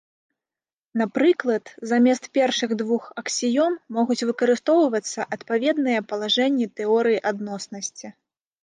Напрыклад, замест першых двух аксіём могуць выкарыстоўвацца адпаведныя палажэнні тэорыі адноснасці.